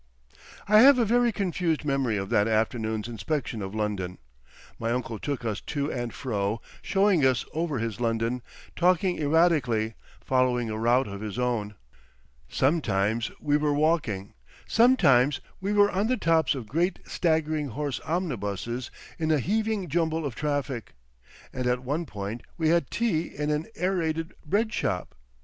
I have a very confused memory of that afternoon's inspection of London. My uncle took us to and fro showing us over his London, talking erratically, following a route of his own. Sometimes we were walking, sometimes we were on the tops of great staggering horse omnibuses in a heaving jumble of traffic, and at one point we had tea in an Aerated Bread Shop.